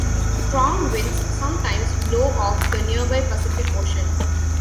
Strong winds sometimes blow off the nearby Pacific Ocean.